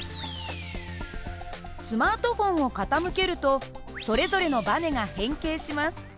スマートフォンを傾けるとそれぞれのばねが変形します。